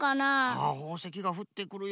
あっほうせきがふってくるようにか。